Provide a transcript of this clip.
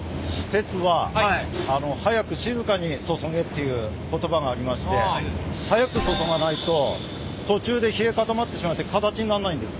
という言葉がありまして速く注がないと途中で冷え固まってしまって形になんないんです。